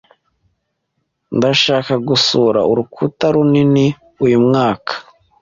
Ndashaka gusura Urukuta runini uyu mwaka.